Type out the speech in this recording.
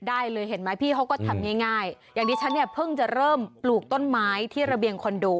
ได้เลยเห็นไหมพี่เขาก็ทำง่ายง่ายอย่างที่ฉันเนี่ยเพิ่งจะเริ่มปลูกต้นไม้ที่ระเบียงคอนโด